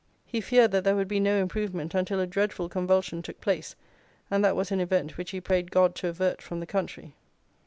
He feared that there would be no improvement until a dreadful convulsion took place, and that was an event which he prayed God to avert from the country.